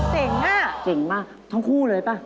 เจ๋งน่ะเจ๋งมากเท่าคู่เลยป่ะ